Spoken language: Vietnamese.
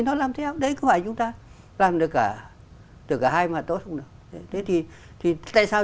nó làm theo đấy cứ phải chúng ta làm được cả từ cả hai mặt tốt cũng được thế thì thì tại sao